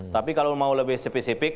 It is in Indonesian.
tapi kalau mau lebih spesifik